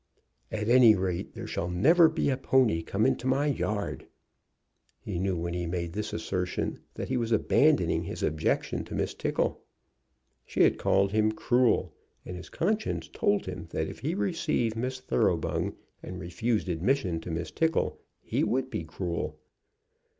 "At any rate, there shall never be a pony come into my yard!" He knew when he made this assertion that he was abandoning his objection to Miss Tickle. She had called him cruel, and his conscience told him that if he received Miss Thoroughbung and refused admission to Miss Tickle he would be cruel.